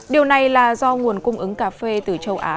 điều này là do nguồn cung ứng cà phê từ châu á